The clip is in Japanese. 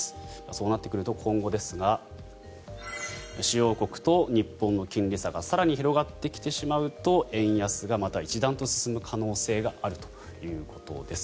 そうなってくると今後ですが主要国と日本の金利差が更に広がってきてしまうと円安がまた一段と進む可能性があるということです。